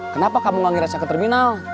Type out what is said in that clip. kenapa kamu gak miras ke terminal